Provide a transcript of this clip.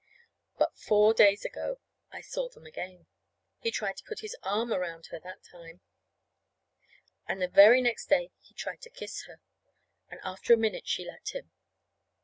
But four days ago I saw them again. He tried to put his arm around her that time, and the very next day he tried to kiss her, and after a minute she let him.